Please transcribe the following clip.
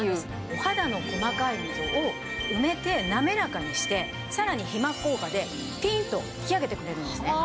お肌の細かい溝を埋めて滑らかにしてさらに皮膜効果でピンと引き上げてくれるんですね。